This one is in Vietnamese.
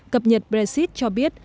cập nhật brexit cho biết